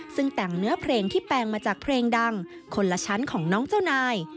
ซึ่งแต่งเนื้อเพลงที่แปลงมาจากเพลงดังคนละชั้นของน้องเจ้านาย